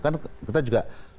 kan kita juga